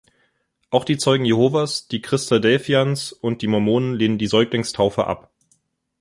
Auch die Zeugen Jehovas, die Christadelphians und die Mormonen lehnen die Säuglingstaufe ab.